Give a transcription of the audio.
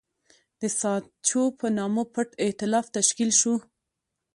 د ساتچو په نامه پټ اېتلاف تشکیل شو.